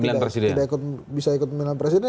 tidak bisa ikut pemilihan presiden